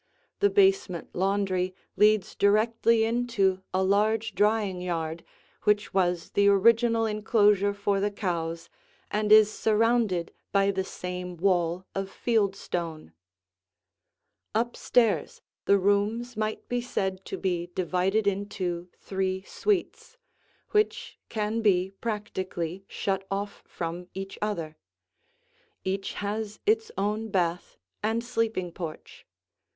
The basement laundry leads directly into a large drying yard which was the original enclosure for the cows and is surrounded by the same wall of field stone. Up stairs the rooms might be said to be divided into three suites, which can be practically shut off from each other: each has its own bath and sleeping porch.